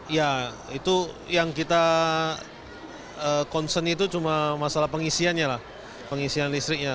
ya itu yang kita concern itu cuma masalah pengisiannya lah pengisian listriknya